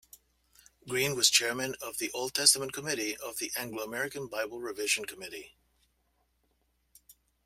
Green was chairman of the Old Testament committee of the Anglo-American Bible revision committee.